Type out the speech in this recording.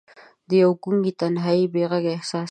د یوې ګونګې تنهايۍ بې ږغ احساس کې